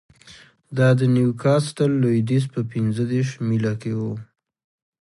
دا د نیوکاسټل لوېدیځ په پنځه دېرش میله کې و